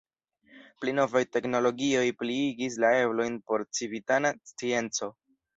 Pli novaj teknologioj pliigis la eblojn por civitana scienco.